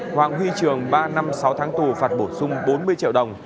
hoàng huy trường ba năm sáu tháng tù phạt bổ sung bốn mươi triệu đồng